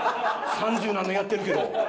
三十何年やってるけど。